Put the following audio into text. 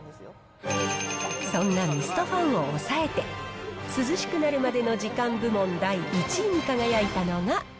そんなミストファンを抑えて、涼しくなるまでの時間部門第１位に輝いたのが。